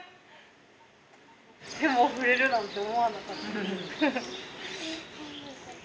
手を振れるなんて思わなかった。